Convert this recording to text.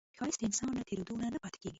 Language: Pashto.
ښایست د انسان له تېرېدو نه نه پاتې کېږي